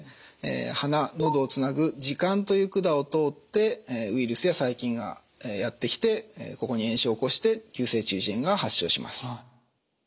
鼻のどをつなぐ耳管という管を通ってウイルスや細菌がやって来てここに炎症を起こして急性中耳炎が発症します。